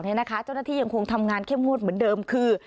เจ้าหน้าที่ยังคงทำงานเข้มงวดเหมือนเดิมคือ